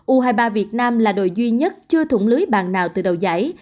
u hai mươi ba việt nam là đội duy nhất chưa thủng lưới bàn nào từ đầu giải